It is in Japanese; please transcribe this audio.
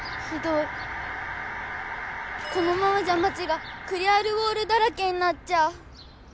このままじゃまちがクリアルウォールだらけになっちゃう。